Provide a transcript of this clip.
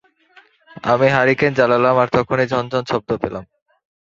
আমি হারিকেন জ্বালালাম, আর তখনি ঝন ঝন শব্দ পেলাম।